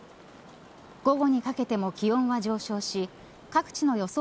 午後にかけても気温は上昇し各地の予想